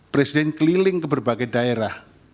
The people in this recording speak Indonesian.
presiden keliling ke berbagai daerah